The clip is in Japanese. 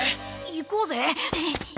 行こうぜ。